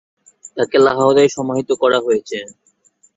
তাকে লাহোরে সমাহিত করা হয়েছে।